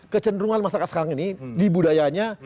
kecenderungan masyarakat sekarang ini di budayanya